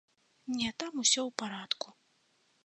Не, там усё у парадку.